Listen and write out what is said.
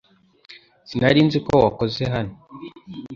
Sinari nzi ko wakoze hano .